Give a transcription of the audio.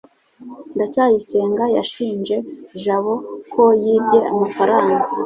ndacyayisenga yashinje jabo ko yibye amafaranga